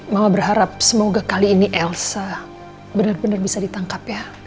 mama berharap semoga kali ini elsa benar benar bisa ditangkap ya